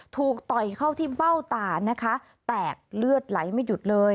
ต่อยเข้าที่เบ้าตานะคะแตกเลือดไหลไม่หยุดเลย